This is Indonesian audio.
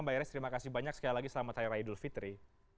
mbak iris terima kasih banyak sekali lagi selama saya rai idul fitri